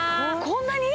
こんなに？